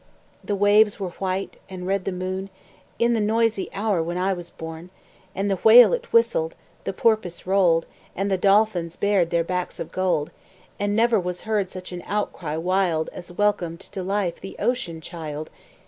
The waves were white, and red the morn, In the noisy hour when I was born; And the whale it whistled, the porpoise rolled And the dolphins bared their backs of gold; And never was heard such an outcry wild As welcomed to life the Ocean child!